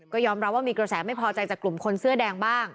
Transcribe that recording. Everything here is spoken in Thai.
ก็ยอมรับว่ามีกระแสไม่พอใจจากกลุ่มคนเสื้อแดงบ้าง